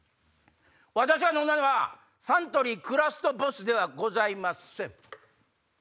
私が飲んだのはサントリークラフトボスではございません。